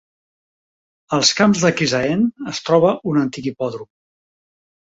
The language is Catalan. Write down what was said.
Als camps de Crisaean es troba un antic hipòdrom.